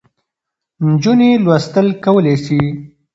نجونې لوستل کولای سي.